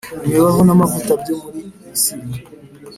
imibavu n amavuta byo muri misiri